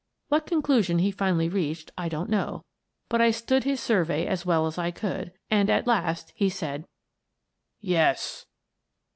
What conclusion he finally reached, I don't know, but I stood his survey as well as I could, and at last he said :" Yes."